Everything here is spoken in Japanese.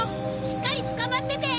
しっかりつかまってて！